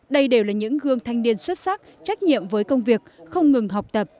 đây đều là những gương thanh niên xuất sắc trách nhiệm với công việc không ngừng học tập